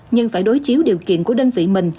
nhưng phải đối chiếu điều kiện của đơn vị mình